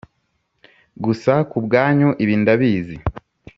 gusa kubwanyu, ibi ndabizi.